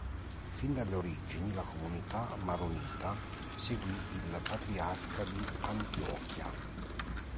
Fin dalle origini la comunità maronita seguì il Patriarca di Antiochia.